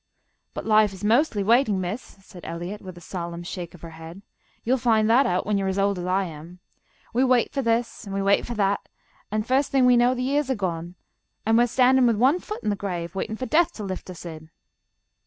"But life is mostly waiting, miss," said Eliot, with a solemn shake of her head. "You'll find that out when you are as old as I am. We wait for this and we wait for that, and first thing we know the years are gone, and we are standing with one foot in the grave, waiting for Death to lift us in."